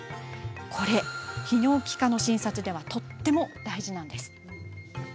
これ、泌尿器科の診察ではとっても大事なんです。